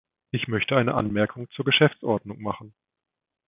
Ich möchte eine Anmerkung zur Geschäftsordnung machen.